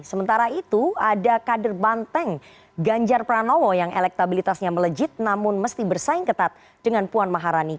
sementara itu ada kader banteng ganjar pranowo yang elektabilitasnya melejit namun mesti bersaing ketat dengan puan maharani